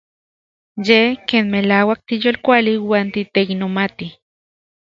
Yej ken melauak tiyolkuali uan titeiknomati.